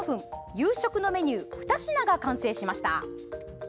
夕食のメニュー２品が完成しました。